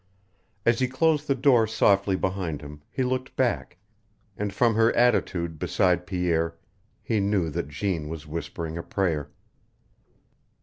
As he closed the door softly behind him he looked back, and from her attitude beside Pierre he knew that Jeanne was whispering a prayer.